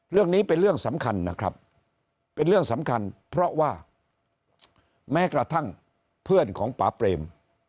เรื่องนี้เป็นเรื่องสำคัญนะครับเป็นเรื่องสำคัญเพราะว่าแม้กระทั่งเพื่อนของป่าเปรม